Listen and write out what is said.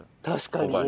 確かに。